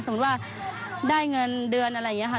สมมุติว่าได้เงินเดือนอะไรอย่างนี้